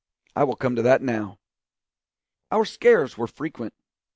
I will come to that now. Our scares were frequent.